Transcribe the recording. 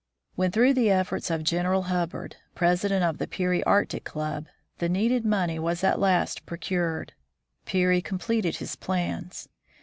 When, through the efforts of General Hubbard, presi dent of the Peary Arctic Club, the needed money was at last procured, Peary completed his plans.